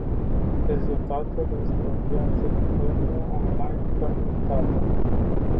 Rezultatul este o piață internă online fragmentată.